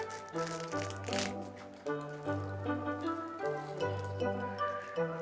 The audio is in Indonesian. mas aku mau pamer